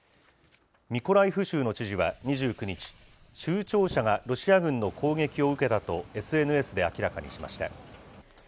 ミコライフ州の知事は２９日、州庁舎がロシア軍の攻撃を受けたと、ＳＮＳで明らかにしました。